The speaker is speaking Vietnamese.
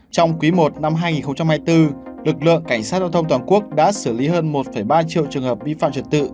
trong quý i năm hai nghìn hai mươi bốn lực lượng cảnh sát giao thông toàn quốc đã xử lý hơn một ba triệu trường hợp vi phạm trật tự